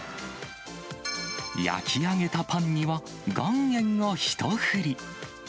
焼き上げたパンには、岩塩を一振り。